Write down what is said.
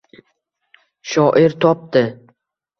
Shoir topdi